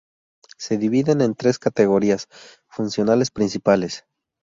Se dividen en tres categorías funcionales principales.